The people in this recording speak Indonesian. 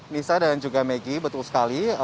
nisa dan juga maggie betul sekali